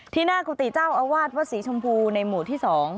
หน้ากุฏิเจ้าอาวาสวัดศรีชมพูในหมู่ที่๒